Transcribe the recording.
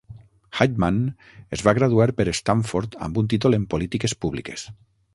Heitmann es va graduar per Stanford amb un títol en polítiques públiques.